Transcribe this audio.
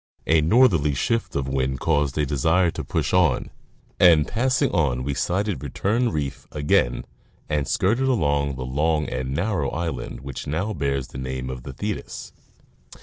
A northerly shift of wind caused a desire to push on, and passing on we sighted Return reef again and skirted along the long and narrow island which now bears the name of the Thetis.